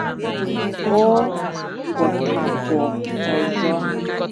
ọ gwọtakwuo ọzọ.